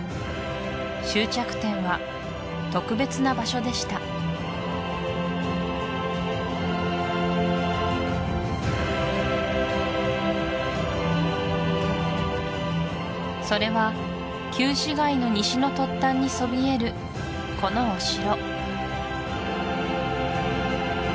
終着点は特別な場所でしたそれは旧市街の西の突端にそびえるこのお城